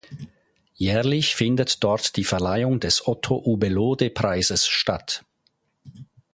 Jährlich findet dort die Verleihung des Otto-Ubbelohde-Preises statt.